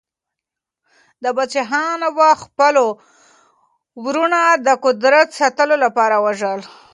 پادشاهانو به خپل وروڼه د قدرت ساتلو لپاره وژل.